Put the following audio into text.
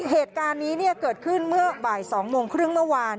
เหตุการณ์นี้เกิดขึ้นเมื่อบ่าย๒โมงครึ่งเมื่อวาน